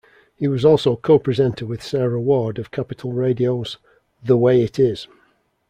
He was also co-presenter with Sarah Ward of Capital Radio's "The Way It Is".